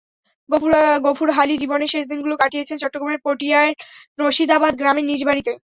গফুর হালী জীবনের শেষ দিনগুলো কাটিয়েছেন চট্টগ্রামের পটিয়ার রশিদাবাদ গ্রামে নিজ বাড়িতে।